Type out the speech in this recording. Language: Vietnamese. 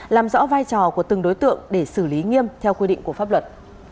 làm rõ vai trò của từng đối tượng để xử lý nghiêm theo quy định của pháp luật